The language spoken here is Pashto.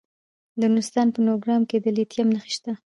د نورستان په نورګرام کې د لیتیم نښې شته.